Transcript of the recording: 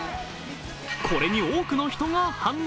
これに多くの人が反応。